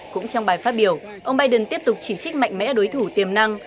cũng trong bài phát biểu ông biden tiếp tục chỉ trích mạnh mẽ đối thủ tiềm năng